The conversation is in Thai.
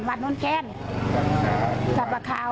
วันที่เท่าไรครับ